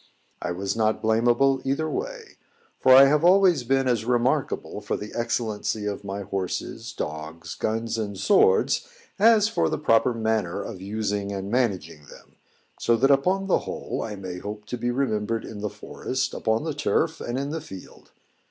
I was not blamable either way; for I have always been as remarkable for the excellency of my horses, dogs, guns, and swords, as for the proper manner of using and managing them, so that upon the whole I may hope to be remembered in the forest, upon the turf, and in the field.